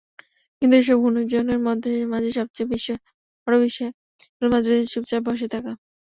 কিন্তু এসব গুঞ্জনের মাঝে সবচেয়ে বড় বিস্ময় রিয়াল মাদ্রিদের চুপচাপ বসে থাকা।